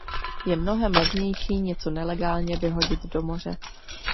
Je mnohem levnější něco nelegálně vyhodit do moře.